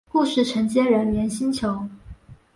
故事承接人猿星球。